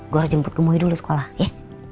gue harus jemput gue dulu sekolah ya